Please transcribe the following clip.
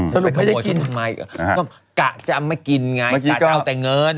สรุปไม่ได้กินกะจะไม่กินไงกะจะเอาแต่เงิน